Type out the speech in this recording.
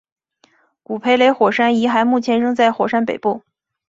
古培雷火山遗骸目前仍在火山北部。